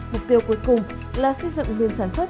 mục tiêu cuối cùng là xây dựng nền sản xuất